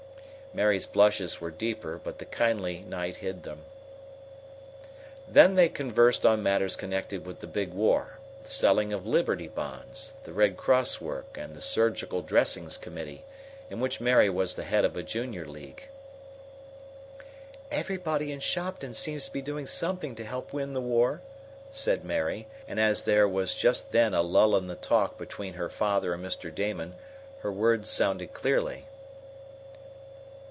Mary's blushes were deeper, but the kindly night hid them. Then they conversed on matters connected with the big war the selling of Liberty Bonds, the Red Cross work and the Surgical Dressings Committee, in which Mary was the head of a junior league. "Everybody in Shopton seems to be doing something to help win the war," said Mary, and as there was just then a lull in the talk between her father and Mr. Damon her words sounded clearly.